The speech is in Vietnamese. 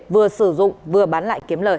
vừa sử dụng vừa bán lại kiếm lợi